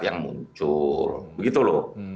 yang muncul begitu loh